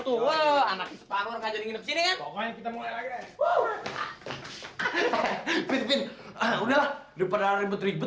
tuh anaknya sepahur aja di sini kita mulai lagi uh fitrin udah lah udah pada ribet ribet